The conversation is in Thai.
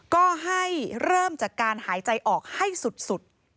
ก็ให้เริ่มจากการหายใจออกให้สุด